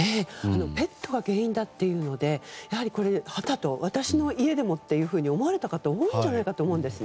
ペットが原因だというので私の家でもと思われた方多いんじゃないかと思うんですね。